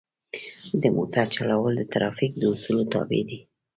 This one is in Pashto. د موټر چلول د ترافیک د اصولو تابع دي.